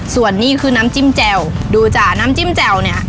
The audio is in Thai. ส่วนนี้คือน้ำจิ้มแจ่วดูจ้ะน้ำจิ้มแจ่วเนี่ย